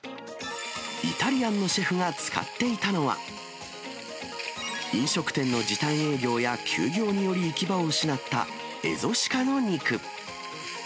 イタリアンのシェフが使っていたのは、飲食店の時短営業や休業により行き場を失った蝦夷鹿の肉。